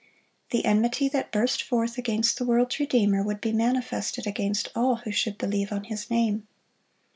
The enmity that burst forth against the world's Redeemer, would be manifested against all who should believe on His name.